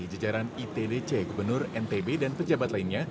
jajaran itdc gubernur ntb dan pejabat lainnya